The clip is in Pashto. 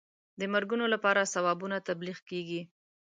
د مرګونو لپاره ثوابونه تبلیغ کېږي.